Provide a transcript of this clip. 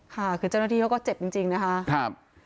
ค่ะคือเจ้าหน้าที่เขาก็เจ็บจริงนะคะ